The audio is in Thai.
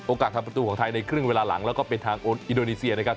ทางประตูของไทยในครึ่งเวลาหลังแล้วก็เป็นทางอินโดนีเซียนะครับ